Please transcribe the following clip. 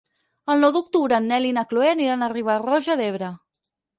El nou d'octubre en Nel i na Chloé aniran a Riba-roja d'Ebre.